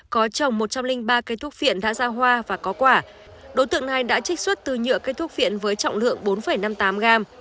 có trồng một trăm linh ba cây thuốc phiện đã ra hoa và có quả đối tượng này đã trích xuất từ nhựa cây thuốc viện với trọng lượng bốn năm mươi tám gram